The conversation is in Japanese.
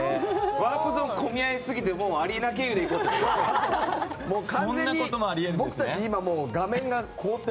ワープゾーンが混み合いすぎてアリーナ経由で行こうって。